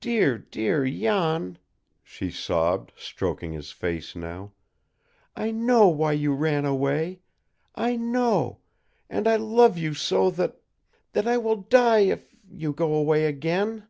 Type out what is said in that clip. Dear, dear Jan," she sobbed, stroking his face now, "I know why you ran away I know, and I love you so that that I will die if you go away again."